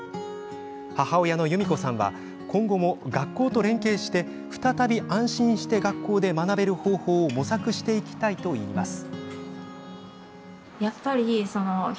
母親のゆみこさんは今後も学校と連携して再び安心して学校で学べる方法を模索していきたいといいます。